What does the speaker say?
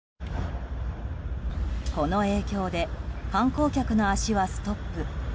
この影響で観光客の足はストップ。